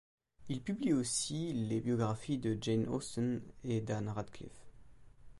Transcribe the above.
Il publie aussi les biographies de Jane Austen et d'Ann Radcliffe.